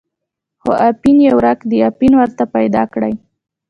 خو اپین یې ورک دی، اپین ورته پیدا کړئ.